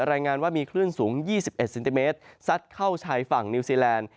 รายงานว่ามีคลื่นสูง๒๑เซนติเมตรซัดเข้าชายฝั่งนิวซีแลนด์